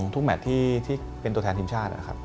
แมทที่เป็นตัวแทนทีมชาตินะครับ